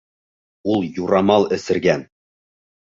Ул юрамал эсергән!